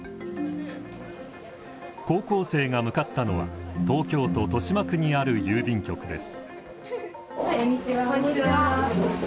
高校生が向かったのは東京都豊島区にある郵便局です。